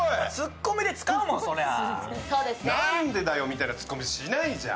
なんだよみたいなツッコミしないじゃん。